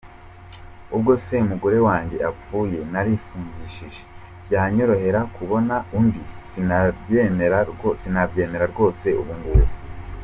Ubwo se umugore wange apfuye narifungishije byanyorohera kubona undi? Sinabyemera rwose ubu ngubu.